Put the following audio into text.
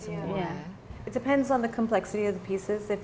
dan ini juga bisa tercermin pasti pada